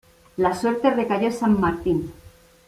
La suerte recayó en San Martín.